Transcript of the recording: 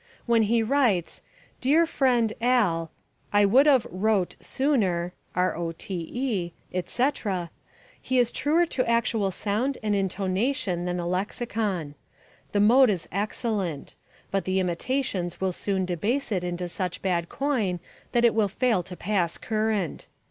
When he writes, "dear friend, Al, I would of rote sooner," etc., he is truer to actual sound and intonation than the lexicon. The mode is excellent. But the imitations will soon debase it into such bad coin that it will fail to pass current.